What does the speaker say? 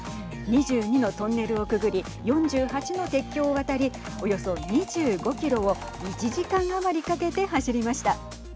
２２のトンネルをくぐり４８の鉄橋を渡りおよそ２５キロを１時間余りかけて走りました。